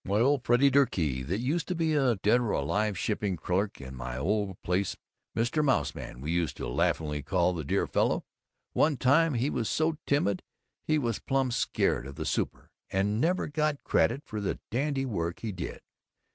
Why, old Freddy Durkee, that used to be a dead or alive shipping clerk in my old place Mr. Mouse Man we used to laughingly call the dear fellow. One time he was so timid he was plumb scared of the Super, and never got credit for the dandy work he did.